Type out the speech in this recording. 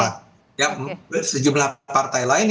sejumlah partai lain yang walaupun berada pada tempat ini